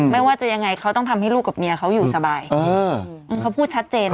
ไม่ว่าจะยังไงเขาต้องทำให้ลูกกับเมียเขาอยู่สบายเขาพูดชัดเจน